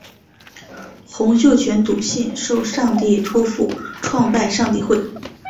洪秀全笃信受上帝托负创拜上帝会。